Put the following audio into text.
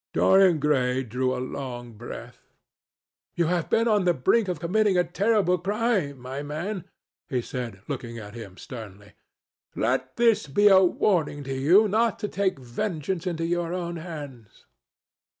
Dorian Gray drew a long breath. "You have been on the brink of committing a terrible crime, my man," he said, looking at him sternly. "Let this be a warning to you not to take vengeance into your own hands."